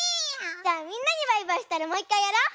じゃあみんなにバイバイしたらもういっかいやろう！